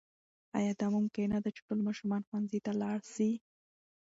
آیا دا ممکنه ده چې ټول ماشومان ښوونځي ته ولاړ سي؟